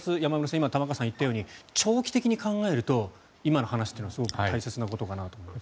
今、玉川さんが言ったように長期的に考えると今の話っていうのはすごく大切なことかなと思います。